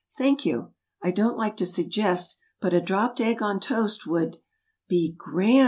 "Thank you, I don't like to suggest, but a Dropped Egg on Toast would " "Be grand!"